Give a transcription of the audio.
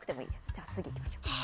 じゃあ、次いきましょう。